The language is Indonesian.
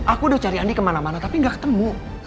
aku udah cari andi kemana mana tapi gak ketemu